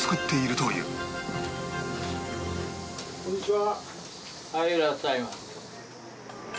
こんにちは。